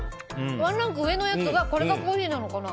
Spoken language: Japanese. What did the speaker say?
ワンランク上のやつがコーヒーなのかな。